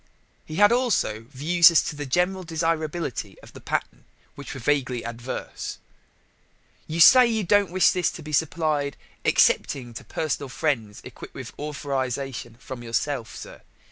He had also views as to the general desirability of the pattern which were vaguely adverse. "You say you don't wish this to be supplied excepting to personal friends equipped with a authorization from yourself, sir.